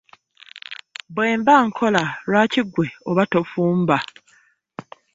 Bwe mba nkola lwaki ggwe oba tofumba?